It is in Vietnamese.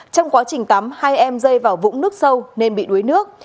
trong quá trình tắm hai em rơi vào vũng nước sâu nên bị đuối nước